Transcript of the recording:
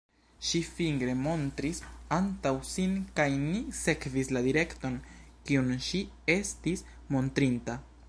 Ŝi fingre montris antaŭ sin kaj ni sekvis la direkton, kiun ŝi estis montrinta.